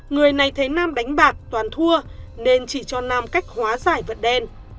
người này thấy nam đánh bạc toàn thua nên chỉ cho nam cách hóa giải vật đen